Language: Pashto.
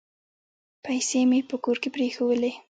پیسې مي په کور کې پرېښولې .